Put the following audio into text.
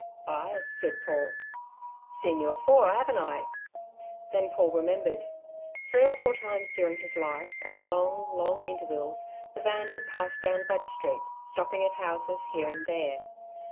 "Ay," said Paul. "Seen you afore, haven't I?" Then Paul remembered. Three or four times during his life, at long, long intervals, the van had passed down Budge Street, stopping at houses here and there.